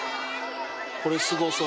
これすごそう。